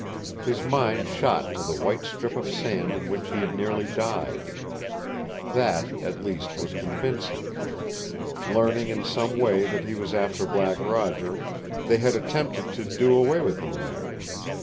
His mind shot to the white strip of sand in which he had nearly died. That, at least, was convincing. Learning in some way that he was after Black Roger, they had attempted to do away with him there.